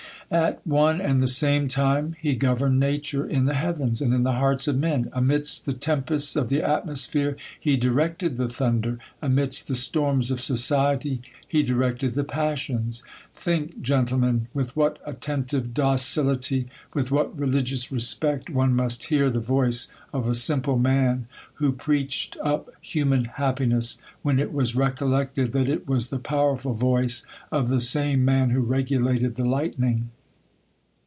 At one and the same time, he governed nature in the heavens and in the hearts of men. Amidst the tem pests of the atmosphere, he directed the thunder; amidst the storms of society, he . directed the passions. Think, gendemen, v/ith what attentive docility, with what religious respect, one must hear the voice of a simple man, who preached up human happiness, when it was recollected that it was the powerful voice of the same man who regulated the lightning.